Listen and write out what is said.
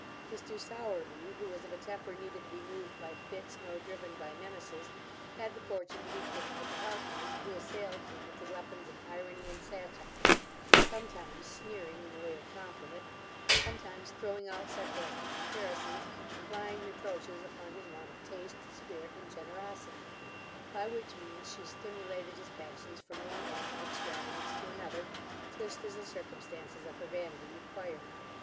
Mr Sowerby, who was of a temper neither to be moved by fits, nor driven by menaces, had the fortune to be fitted with a helpmate, who assailed him with the weapons of irony and satire; sometimes sneering in the way of compliment; sometimes throwing out sarcastic comparisons, implying reproaches upon his want of taste, spirit, and generosity: by which means she stimulated his passions from one act of extravagance to another, just as the circumstances of her vanity required.